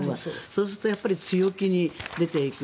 そうすると強気に出ていく。